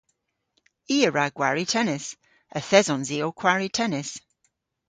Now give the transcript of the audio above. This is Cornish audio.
I a wra gwari tennis. Yth esons i ow kwari tennis.